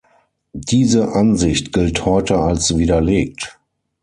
Diese Ansicht gilt heute als widerlegt.